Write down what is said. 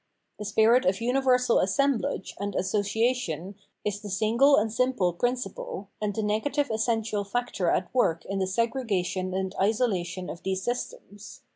The spirit of universal assem blage and association is the single and simple prin ciple, and the negative essential factor at work in the segregation and isolation of these systems.